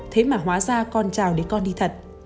thế mà hóa ra con trào để con đi thật